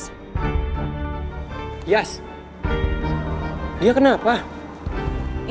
ya pokoknya dia marah marah di kantin dia langsung nangis